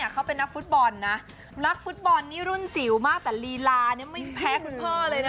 เขาเป็นนักฟุตบอลนะนักฟุตบอลนี่รุ่นจิ๋วมากแต่ลีลาไม่แพ้คุณพ่อเลยนะ